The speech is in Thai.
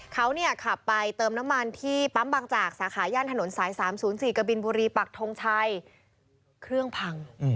เขาเนี่ยขับไปเติมน้ำมันที่ปั๊มบางจากสาขาย่านถนนสาย๓๐๔กบินบุรีปักทงชัยเครื่องพัง